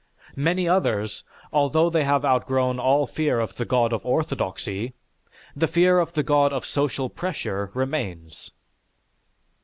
Many others, although they have outgrown all fear of the god of orthodoxy, the fear of the god of social pressure remains.